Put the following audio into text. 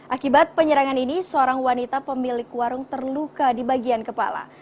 akibat penyerangan ini seorang wanita pemilik warung terluka di bagian kepala